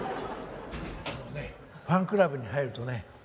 あのねファンクラブに入るとね